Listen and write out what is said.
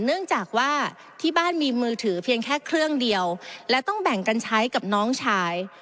เนื่องจากว่าที่บ้านมีมือถือเพียงแค่เครื่องเดียวและต้องแบ่งกันใช้กับน้องชาย